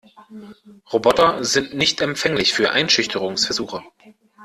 Roboter sind nicht empfänglich für Einschüchterungsversuche.